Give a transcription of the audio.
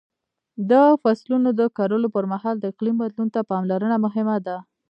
د فصلونو د کرلو پر مهال د اقلیم بدلون ته پاملرنه مهمه ده.